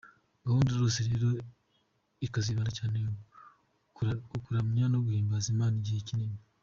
Gahunda yose rero ikazibanda cyane ku kuramya no guhimbaza Imana igihe kinini.